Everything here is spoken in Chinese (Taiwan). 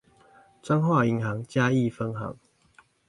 彰化銀行嘉義分行